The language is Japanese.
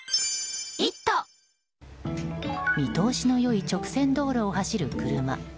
見通しの良い直線道路を走る車。